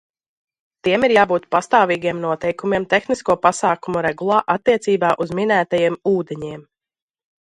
Tiem ir jābūt pastāvīgiem noteikumiem tehnisko pasākumu regulā attiecībā uz minētajiem ūdeņiem.